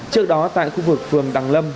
trước đó tại khu vực phường đăng lâm